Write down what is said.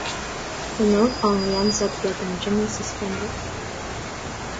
The note only ends up getting Jimmy suspended.